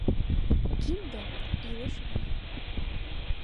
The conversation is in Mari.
Кинде — илыш вий!